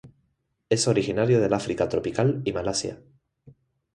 Es originario del África tropical y Malasia.